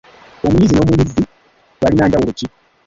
Omuyizi n'omuyizzi bayina njawulo ki?